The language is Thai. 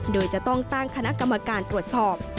โดยจะต้องตั้งคณะกรรมการตรวจสอบ